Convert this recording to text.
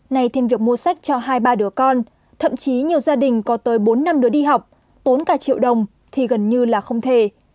này thêm việc mua sách cho hai ba đứa con thậm chí nhiều gia đình có tới bốn năm đứa đi học tốn cả triệu đồng thì gần như là không thể